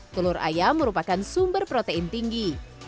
telur ayam merupakan sumber protein tinggi